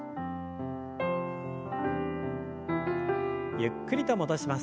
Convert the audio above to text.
ゆっくりと戻します。